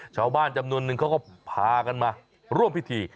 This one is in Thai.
ชาวบ้านจำนวนนึงเขาก็พากันมาร่วมพิธี